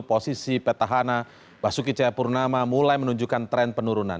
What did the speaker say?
posisi petahana basuki cahayapurnama mulai menunjukkan tren penurunan